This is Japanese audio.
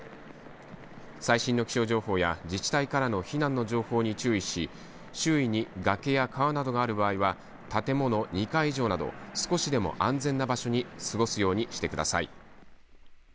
最新の気象情報や自治体からの避難の情報に注意し周囲に崖や川などがある場合は建物の２階以上など少しでも安全な場所に過ごすようにしてください。